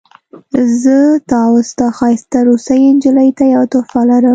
زه تا او ستا ښایسته روسۍ نجلۍ ته یوه تحفه لرم